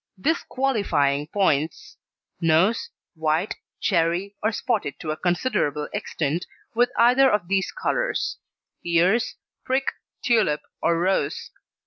DISQUALIFYING POINTS: NOSE White, cherry, or spotted to a considerable extent with either of these colours. EARS prick, tulip, or rose.